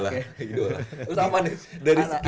dari sekian banyak